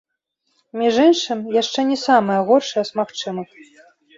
Між іншым, яшчэ не самае горшае з магчымых.